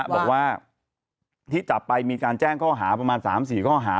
บอกว่าที่จับไปมีการแจ้งข้อหาประมาณ๓๔ข้อหา